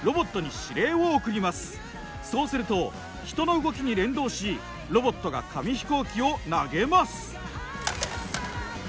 そうすると人の動きに連動しロボットが紙飛行機を投げます。